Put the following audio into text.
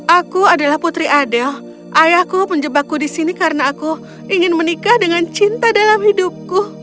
aku adalah putri adel ayahku menjebakku di sini karena aku ingin menikah dengan cinta dalam hidupku